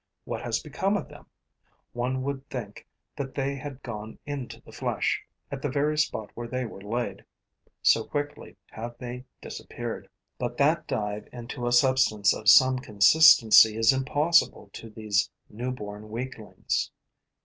What has become of them? One would think that they had gone into the flesh, at the very spot where they were laid, so quickly have they disappeared. But that dive into a substance of some consistency is impossible to these newborn weaklings.